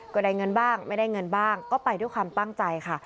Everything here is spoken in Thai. ก็ได้เงินบ้างไม่ได้เงินบ้างก็ไปด้วยความตั้งใจค่ะ